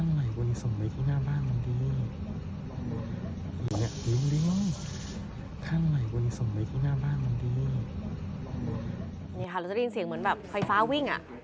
นี่ค่ะเราจะได้ยินเสียงเหมือนแบบไฟฟ้าวิ่งอ่ะ